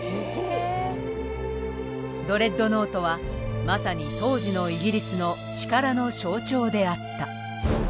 ドレッドノートはまさに当時のイギリスの力の象徴であった。